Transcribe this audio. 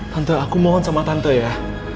tante aku mohon sama tante ya